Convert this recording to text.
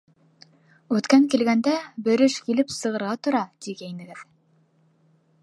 Үткән килгәндә, бер эш килеп сығырға тора, тигәйнегеҙ...